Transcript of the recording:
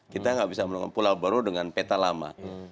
kita nggak bisa menemukan pulau baru dengan peta lama